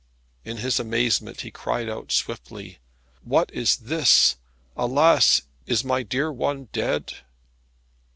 In his amazement he cried out swiftly, "What is this? Alas, is my dear one dead?"